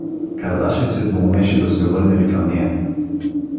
Кардашев се двоумеше да се обърне ли към нея.